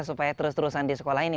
supaya terus terusan di sekolah ini